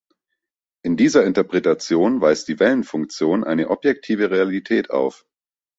In dieser Interpretation weist die Wellenfunktion eine objektive Realität auf.